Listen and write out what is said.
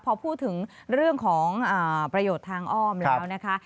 พอพูดถึงเรื่องของประโยชน์ทางอ้อมแล้วนะคะ